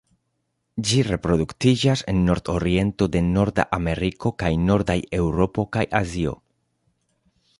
Ĝi reproduktiĝas en nordoriento de Norda Ameriko, kaj nordaj Eŭropo kaj Azio.